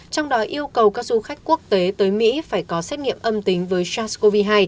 trong đó yêu cầu các du khách quốc tế tới mỹ phải có xét nghiệm âm tính với sars cov hai